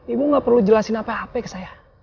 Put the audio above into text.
ibu gak perlu jelasin apa hp ke saya